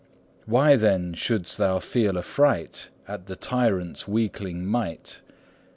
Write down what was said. Why, then, shouldst thou feel affright At the tyrant's weakling might?